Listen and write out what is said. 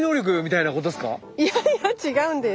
いやいや違うんです。